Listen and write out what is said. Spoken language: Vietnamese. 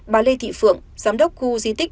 bà lê thị phượng giám đốc khu di tích